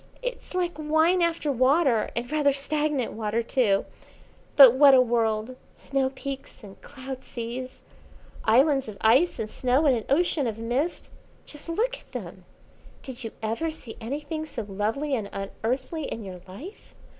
It's like wine after water, and rather stagnant water too. But what a world, snow peaks and cloud seas, islands of ice and snow in an ocean of mist! Just look at them! Did you ever see anything so lovely and unearthly in your life?